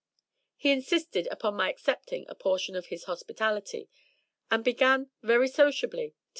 He insisted upon my accepting a portion of his hospitality, and began, very sociably, to eat up the rest.